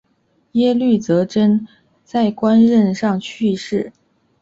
耶律铎轸在官任上去世。